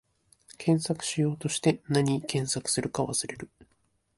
検索しようとして、なに検索するか忘れる